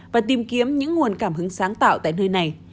và tìm kiếm những nguồn cảm hứng sáng tạo tại nơi này